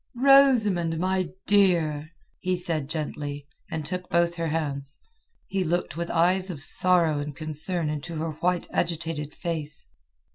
"Rosamund, my dear!" he said gently, and took both her hands. He looked with eyes of sorrow and concern into her white, agitated face.